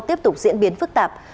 tiếp tục diễn biến phức tạp